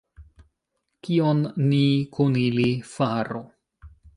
Kion ni kun ili faru?